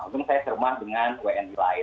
mungkin saya serumah dengan wnb lain